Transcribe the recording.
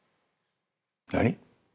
何？